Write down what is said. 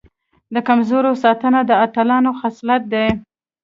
د کمزورو ساتنه د اتلانو خصلت دی.